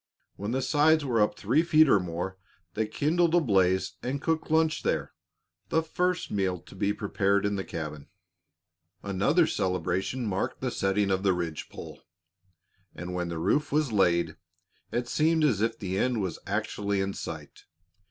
When the sides were up three feet or more, they kindled a blaze and cooked lunch there the first meal to be prepared in the cabin. Another celebration marked the setting of the ridge pole; and when the roof was laid, it seemed as if the end was actually in sight.